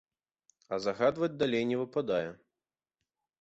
А загадваць далей не выпадае.